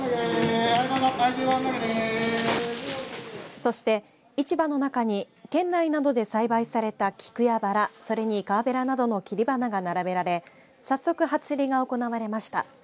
そして、市場の中に県内などで栽培された菊や、ばらそれにガーベラなどの切り花が並べられ早速、初競りが行われました。